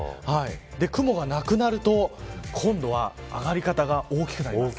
雲がなくなると今度は上がり方が大きくなります。